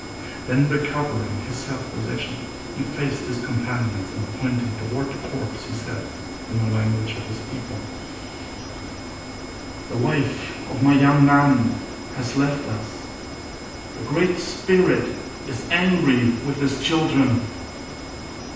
Then, recovering his self possession, he faced his companions, and, pointing toward the corpse, he said, in the language of his people: "The wife of my young man has left us! The Great Spirit is angry with his children."